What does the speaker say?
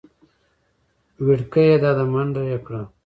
وېړکيه دا ده منډه يې کړه .